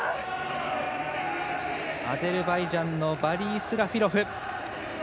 アゼルバイジャンのバリ・イスラフィロフ。